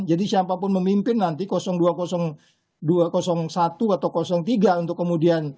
jadi siapapun memimpin nanti dua puluh ribu dua ratus satu atau dua puluh ribu dua ratus tiga untuk kemudian